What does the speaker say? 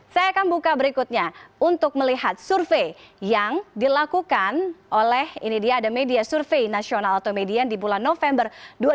saya akan buka berikutnya untuk melihat survei yang dilakukan oleh ini dia ada media survei nasional atau median di bulan november dua ribu dua puluh